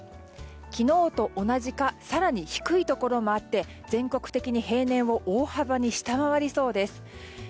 昨日と同じか更に低いところもあって全国的に平年を大幅に下回りそうです。